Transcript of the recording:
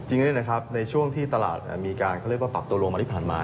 จริงเลยนะครับในช่วงที่ตลาดมีการผลักลงมาที่ผ่านมา